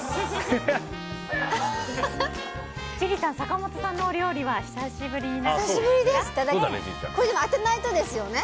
千里さん、坂本さんのお料理は久しぶりですね。